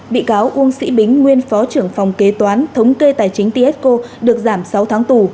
bị cáo uông sĩ bính nguyên phó trưởng phòng kế toán thống kê tài chính tisco được giảm sáu tháng tù